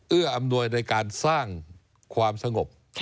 เอื้ออำนวยในการสร้างความสงบ